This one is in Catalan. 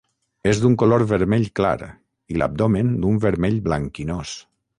És d'un color vermell clar, i l'abdomen d'un vermell blanquinós.